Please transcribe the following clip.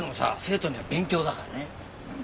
生徒には勉強だからね。